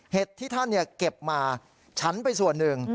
ที่ท่านเก็บมาฉันไปส่วนหนึ่ง